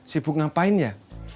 sibuk ngapain ya